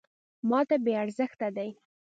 .ماته بې ارزښته دی .